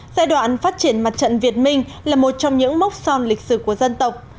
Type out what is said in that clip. giai đoạn phát triển mặt trận việt minh là một trong những mốc son lịch sử của dân tộc